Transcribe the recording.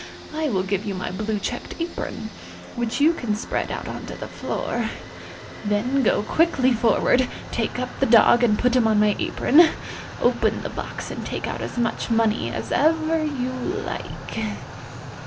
I will give you my blue checked apron, which you can spread out on the floor; then go quickly forward, take up the dog and put him on my apron, open the box and take out as 263 264 ANDERSEN'S FAIRY TALES much money as ever you like.